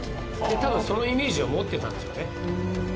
多分、そのイメージは持っていたんでしょうね。